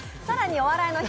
「お笑いの日」！